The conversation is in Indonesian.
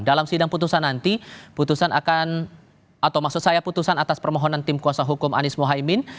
dalam sidang putusan nanti putusan akan atau maksud saya putusan atas permohonan tim kuasa hukum anies mohaimin